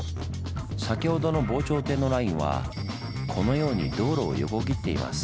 先ほどの防潮堤のラインはこのように道路を横切っています。